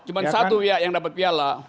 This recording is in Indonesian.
cuma satu ya yang dapat piala